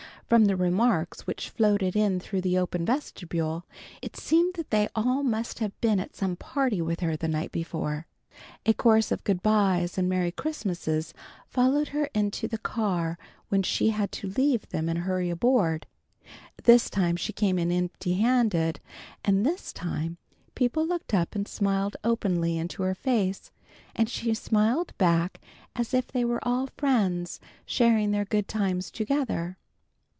From the remarks which floated in through the open vestibule, it seemed that they all must have been at some party with her the night before. A chorus of good byes and Merry Christmases followed her into the car when she had to leave them and hurry aboard. This time she came in empty handed, and this time people looked up and smiled openly into her face, and she smiled back as if they were all friends, sharing their good times together.